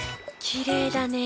きれいだね。